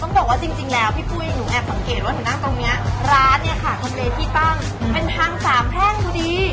ต้องบอกว่าจริงแล้วพี่ปุ้ยหนูแอบสังเกตว่าถึงนั่งตรงเนี้ยร้านเนี้ยค่ะคอมเตยที่ตั้งเป็นทางสามแห้งทุกดี